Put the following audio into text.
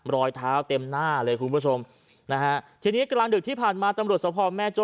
รอยเท้าเต็มหน้าเลยคุณผู้ชมนะฮะทีนี้กลางดึกที่ผ่านมาตำรวจสภแม่โจ้